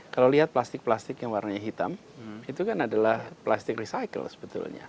kalau lihat plastik plastik yang warnanya hitam itu kan adalah plastik recycle sebetulnya